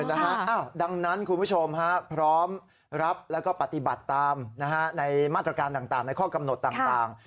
ดังนั้นคุณผู้ชมพร้อมรับแล้วก็ปฏิบัติตามในมาตรการต่างในข้อกำหนดต่าง